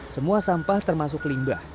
semua sampah termasuk limbah